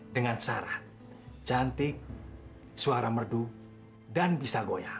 dengan syarat cantik suara merdu dan bisa goyang